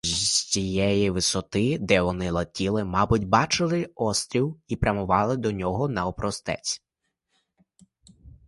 З тієї висоти, де вони летіли, мабуть, бачили острів і прямували до нього навпростець.